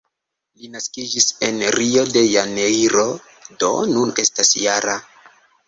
Li naskiĝis en Rio de Janeiro, do nun estas -jara.